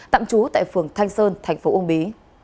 tạm trú tại phường thanh sơn thành phố uông bí